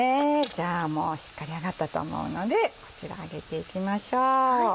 じゃあもうしっかり揚がったと思うのでこちら上げていきましょう。